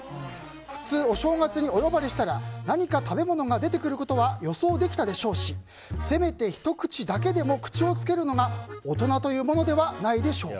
普通、お正月にお呼ばれしたら何か食べ物が出てくることは予想できたでしょうしせめて、ひと口だけでも口をつけるのが大人というものではないでしょうか？